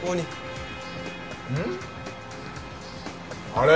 あれ？